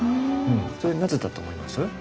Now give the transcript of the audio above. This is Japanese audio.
それなぜだと思います？